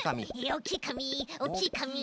おっきいかみおっきいかみ。